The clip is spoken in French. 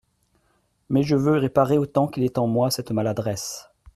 Mais je veux réparer autant qu'il est en moi cette maladresse.